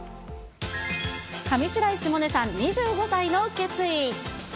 上白石萌音さん、２５歳の決意。